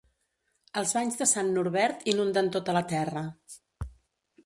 Els banys de Sant Norbert inunden tota la terra.